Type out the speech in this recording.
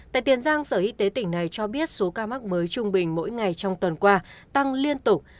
tại tiền giang sở y tế tỉnh này cho biết số ca mắc mới trung bình mỗi ngày trong tuần qua tăng liên tục